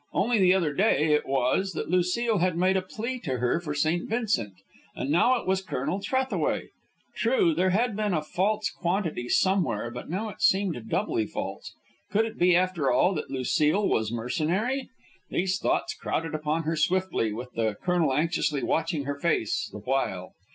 Only the other day, it was, that Lucile had made a plea to her for St. Vincent, and now it was Colonel Trethaway! True, there had been a false quantity somewhere, but now it seemed doubly false. Could it be, after all, that Lucile was mercenary? These thoughts crowded upon her swiftly, with the colonel anxiously watching her face the while.